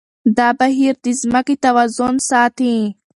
دا بهير د ځمکې توازن ساتي.